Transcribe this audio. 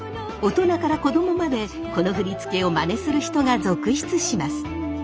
大人から子供までこの振り付けをマネする人が続出します。